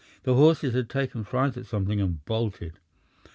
The horses had taken fright at something and bolted.